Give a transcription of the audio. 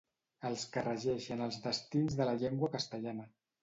Els que regeixen els destins de la llengua castellana.